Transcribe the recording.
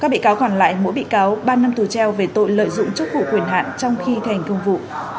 các bị cáo còn lại mỗi bị cáo ba năm tù treo về tội lợi dụng chức vụ quyền hạn trong khi thành công vụ